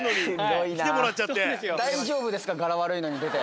大丈夫ですかガラ悪いのに出て。